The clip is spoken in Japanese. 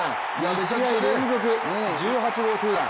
２試合連続１８号ツーラン。